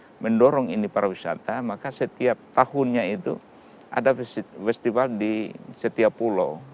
kalau mendorong ini para wisata maka setiap tahunnya itu ada festival di setiap pulau